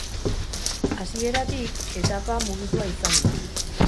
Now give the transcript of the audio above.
Hasieratik etapa mugitua izan da.